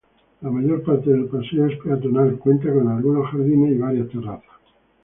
La mayor parte del paseo es peatonal, cuenta con algunos jardines y varias terrazas.